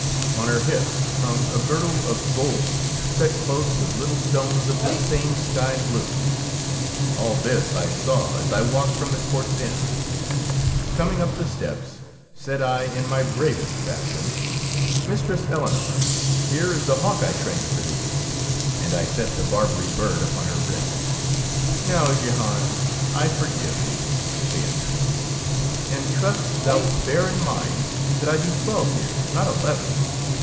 On her hips hung a girdle of gold set close with little stones of this same sky blue. All this I saw as I walked from the court's end. Coming up the steps, said I in my bravest fashion, — 9 DEEDS OF DABING " Mistress Eleonore, here is the hawk I trained for thee ; and I set the Bar berry bird upon her wrist. Now, Jehan, I forgive thee," saith she, '^and trust thou It bear in mind that I be twelve years, not eleven.